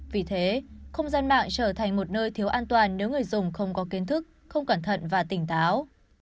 vì thế không gian mạng trở thành một nơi thiếu an toàn nếu người dùng không có kiến thức không cẩn thận và tỉnh táo